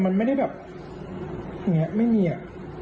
แต่มันไม่ได้แบบอย่างเนี้ยไม่เนี่ย